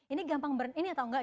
ini gampang burn in atau enggak